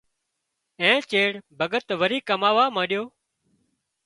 اين چيڙ ڀڳت وري ڪماوا مانڏيو